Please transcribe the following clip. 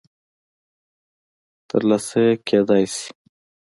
م ترلاسه کېدلای شي